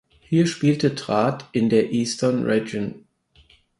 Hier spielte Trat in der Eastern Region.